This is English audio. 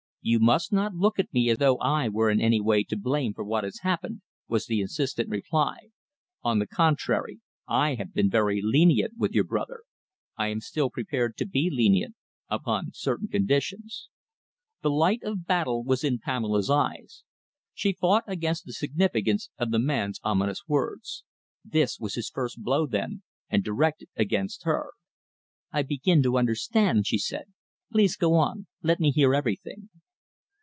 "You must not look at me as though I were in any way to blame for what has happened," was the insistent reply. "On the contrary, I have been very lenient with your brother. I am still prepared to be lenient upon certain conditions." The light of battle was in Pamela's eyes. She fought against the significance of the man's ominous words. This was his first blow, then, and directed against her. "I begin to understand," she said. "Please go on. Let me hear everything."